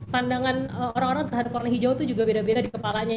pandangan orang orang terhadap warna hijau itu juga beda beda di kepalanya